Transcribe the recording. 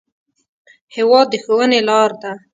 هېواد د ښوونې لار ده.